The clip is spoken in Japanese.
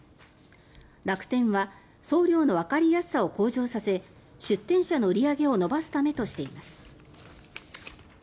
楽天は送料のわかりやすさを向上させ出店者の売り上げを伸ばすためとしています。